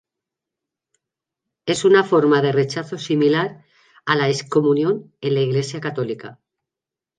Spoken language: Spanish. Es una forma de rechazo similar a la excomunión en la Iglesia católica.